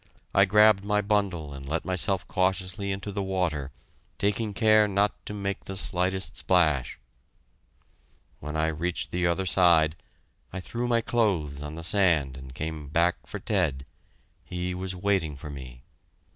I grabbed my bundle and let myself cautiously into the water, taking care not to make the slightest splash. When I reached the other side, I threw my clothes on the sand and came back far Ted he was waiting for me.